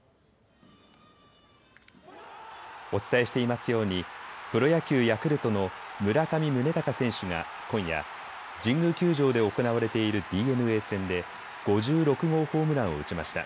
お伝えしていますようにプロ野球、ヤクルトの村上宗隆選手が今夜、神宮球場で行われているＤｅＮＡ戦で５６号ホームランを打ちました。